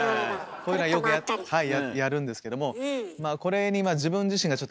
こういうのはよくやるんですけどもまあこれにああ自分がもう。